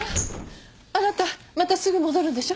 あなたまたすぐ戻るんでしょ？